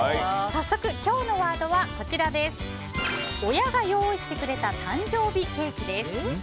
早速、今日のワードは親が用意してくれた誕生日ケーキです。